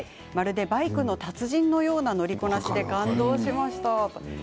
バイクの達人のような乗りこなしで感動しました。